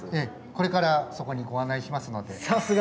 これからそこにご案内しますので。